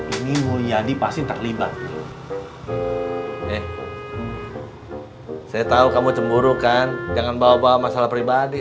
ini mulia di pasien tak libat eh saya tahu kamu cemburu kan jangan bawa bawa masalah pribadi